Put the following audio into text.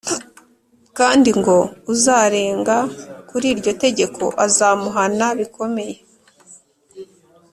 kandi ngo uzarenga kuri iryo tegeko azamuhana bikomeye